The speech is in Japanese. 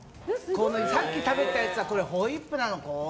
さっき食べてたやつはホイップなの。